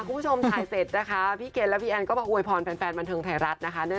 คุณผู้ชมถ่ายเสร็จนะคะพี่เคนและพี่แอนก็มาอวยพรแฟนบันเทิงไทยรัฐนะคะ